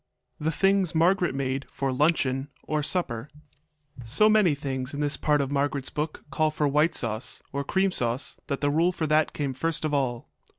THE THINGS MARGARET MADE FOR LUNCHEON OR SUPPER So many things in this part of Margaret's book call for white sauce, or cream sauce, that the rule for that came first of all.